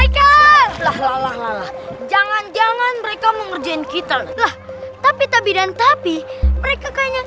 jangan jangan mereka mengerjain kita lah tapi tapi dan tapi mereka kayaknya